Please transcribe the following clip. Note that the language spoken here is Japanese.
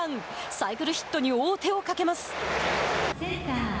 サイクルヒットに王手をかけます。